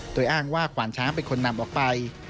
โดยอ้างว่าขวานช้างเป็นคนนำออกไป